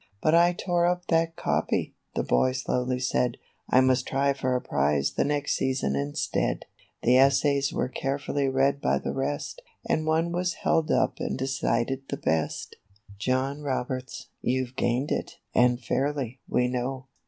" But I tore up that copy," the boy slowly said ; "I must try for a prize the next season instead." The essays were carefully read by the rest, And one was held up and decided the best. 36 THE BOY AND HIS PRIZE. "John Roberts, you've gained it, and fairly, we know.